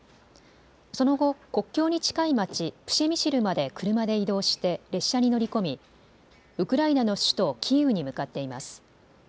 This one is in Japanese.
その後、国境に近い街、プシェミシルまで車で移動して列車に乗り込みウクライナの首都キーウに向かっています。